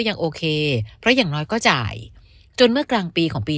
ยังโอเคเพราะอย่างน้อยก็จ่ายจนเมื่อกลางปีของปี